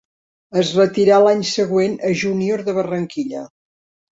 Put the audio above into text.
Es retirà l'any següent a Junior de Barranquilla.